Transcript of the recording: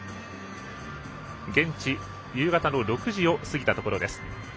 現地、夕方の６時を過ぎたところです。